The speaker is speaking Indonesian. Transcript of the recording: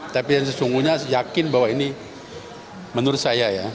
tapi yang sesungguhnya yakin bahwa ini menurut saya ya